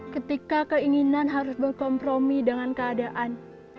ketika keinginan harus berkompromi dengan keadaan